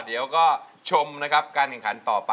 เดี๋ยวก็ชมนะครับการแข่งขันต่อไป